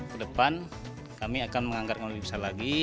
kedepan kami akan menganggarkan lebih besar lagi